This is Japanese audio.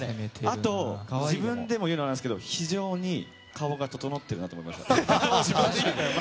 あと、自分で言うのあれなんですけど非常に顔が整っているなと思います。